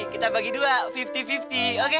kita bagi dua lima puluh lima puluh oke